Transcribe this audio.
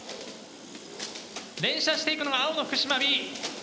連射していくのが青の福島Ｂ。